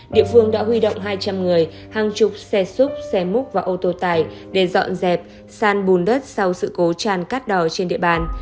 địa phương đã huy động hai trăm linh người hàng chục xe xúc xe múc và ô tô tải để dọn dẹp san bùn đất sau sự cố tràn cát đỏ trên địa bàn